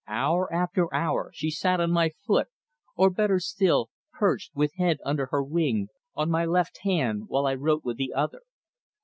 Hour after hour she sat on my foot, or, better still, perched, with head under her wing, on my left hand, while I wrote with the other.